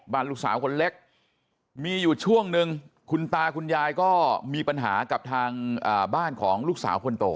ลูกสาวคนเล็กมีอยู่ช่วงนึงคุณตาคุณยายก็มีปัญหากับทางบ้านของลูกสาวคนโต